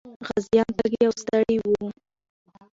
غازيان تږي او ستړي وو.